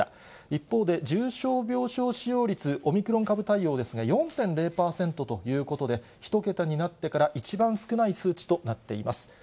一方で、重症病床使用率、オミクロン株対応ですが、４．０％ということで、１桁になってから一番少ない数値となっています。